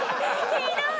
ひどい！